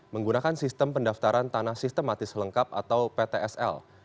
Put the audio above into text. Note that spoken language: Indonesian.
menggunakan sistem pendaftaran tanah sistematis lengkap atau ptsl